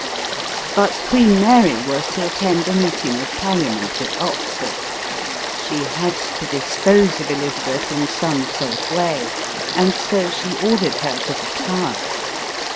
But Queen Mary was to attend a meeting of parlia ment at Oxford ; she had to dispose of Elizabeth in some safe way, and so she ordered her to the Tower.